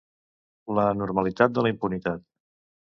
La normalitat de la impunitat.